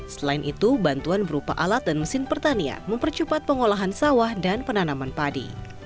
selain itu bantuan berupa alat dan mesin pertanian mempercepat pengolahan sawah dan penanaman padi